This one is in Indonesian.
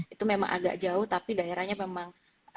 itu memang agak jauh tapi daerahnya memang